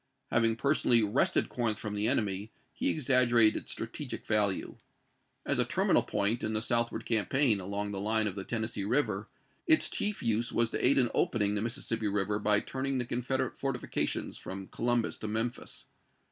Having personally wrested Corinth from the enemy, he exaggerated its strategical value. As a terminal point in the southward campaign, along the line of the Tennes see River, its chief use was to aid in opening the Mississippi River by turning the Confederate fortifications from Columbus to Memphis.